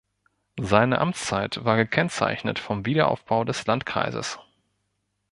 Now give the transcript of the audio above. Seine Amtszeit war gekennzeichnet vom Wiederaufbau des Landkreises.